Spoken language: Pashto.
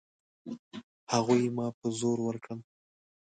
هغوی ما په زور ورکړم.